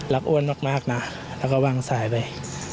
อ้วนมากนะแล้วก็วางสายไป